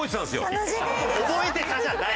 「覚えてた」じゃない。